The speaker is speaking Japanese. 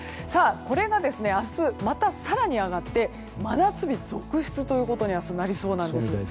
これが明日、また更に上がって真夏日続出ということになりそうなんです。